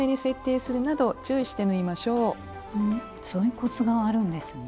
そういうコツがあるんですね。